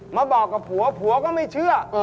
มาบอกกับผัวผัวก็ไม่เชื่อ